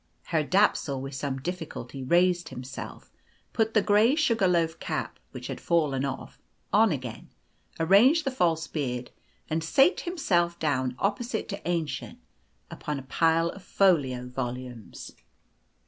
Herr Dapsul with some difficulty raised himself, put the grey sugar loaf cap, which had fallen off, on again, arranged the false beard, and sate himself down opposite to Aennchen upon a pile of folio volumes.